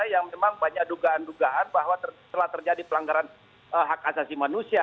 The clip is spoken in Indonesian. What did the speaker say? yang memang banyak dugaan dugaan bahwa telah terjadi pelanggaran hak asasi manusia